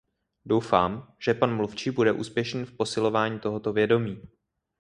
Doufám, že pan mluvčí bude úspěšný v posilování tohoto vědomí.